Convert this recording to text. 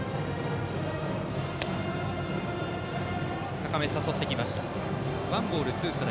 高め、誘ってきた。